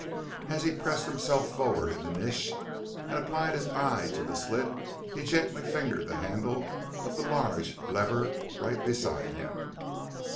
As he pressed himself forward in the niche, and applied his eye to the slit, he gently fingered the handle of the large lever right beside him.